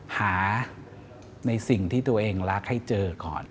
หาในสิ่งที่ตัวเองรักให้เจอก่อน